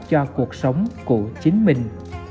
cho cuộc sống của chính mình